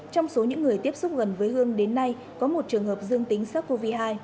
trong số những người tiếp xúc gần với hơn đến nay có một trường hợp dương tính sars cov hai